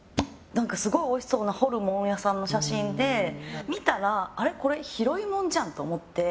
すごいおいしそうなホルモン屋さんの写真で見たら、拾いもんじゃんと思って。